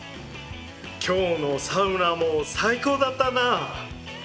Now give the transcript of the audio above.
今日のサウナも最高だったな！